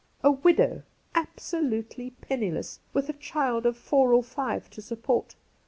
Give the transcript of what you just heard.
A widow, absolutely penniless, with a child of four or five to support.